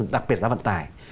đặc biệt giá vận tải